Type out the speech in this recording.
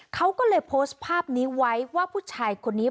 เขาก็เลยโพสต์ภาพนี้ไว้ว่าผู้ชายคนนี้